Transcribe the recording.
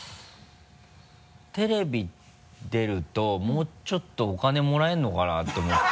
テレビ出るともうちょっとお金もらえるのかなと思ってた。